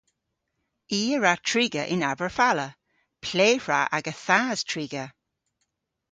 I a wra triga yn Aberfala. Ple hwra aga thas triga?